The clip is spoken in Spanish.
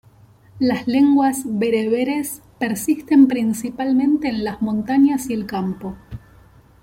Las lenguas bereberes persisten principalmente en las montañas y el campo.